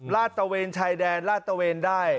ลาตเตอร์เวนชายแดนลาตเตอร์เวนได้